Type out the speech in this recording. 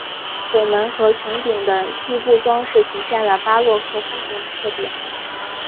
拱门和穹顶的细部装饰体现了巴洛克风格的特点。